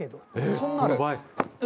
そんなある？